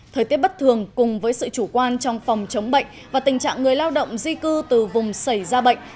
thời tiết bất thường cùng với sự chủ quan trong phòng chống bệnh và tình trạng người lao động di cư từ vùng xảy ra bệnh